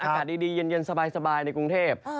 อากาศดีเย็นสบายในกรุงเทพ